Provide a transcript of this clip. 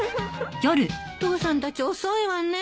父さんたち遅いわね。